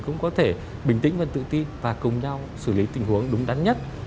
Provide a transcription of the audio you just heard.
cũng có thể bình tĩnh và tự ti và cùng nhau xử lý tình huống đúng đắn nhất